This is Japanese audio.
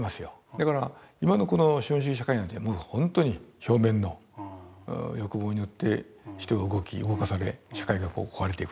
だから今のこの資本主義社会なんていうものはほんとに表面の欲望によって人が動き動かされ社会が壊れていくと。